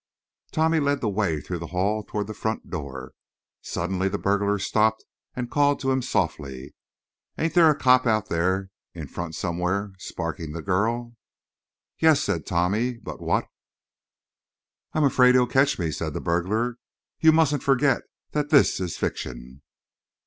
Tommy led the way through the hall toward the front door. Suddenly the burglar stopped and called to him softly: "Ain't there a cop out there in front somewhere sparking the girl?" "Yes," said Tommy, "but what—" "I'm afraid he'll catch me," said the burglar. "You mustn't forget that this is fiction."